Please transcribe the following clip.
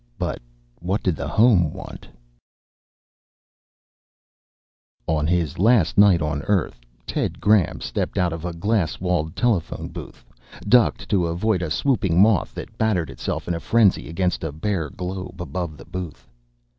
but what did the home want?_ Illustrated by JOHNSON On his last night on Earth, Ted Graham stepped out of a glass walled telephone booth, ducked to avoid a swooping moth that battered itself in a frenzy against a bare globe above the booth.